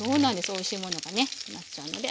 おいしいものがねなくなっちゃうのではい。